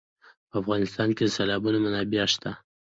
په افغانستان کې د سیلابونه منابع شته.